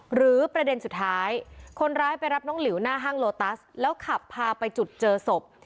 หรือประเด็นสุดท้ายคนร้ายไปรับน้องหลิวหน้าห้างโลตัสแล้วขับพาไปจุดเจอศพ